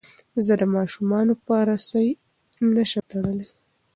زه ماشومان په رسۍ نه شم تړلی.